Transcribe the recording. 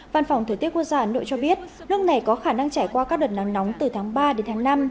văn phòng thời tiết quốc gia ấn độ cho biết nước này có khả năng trải qua các đợt nắng nóng từ tháng ba đến tháng năm